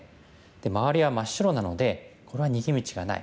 で周りは真っ白なのでこれは逃げ道がない。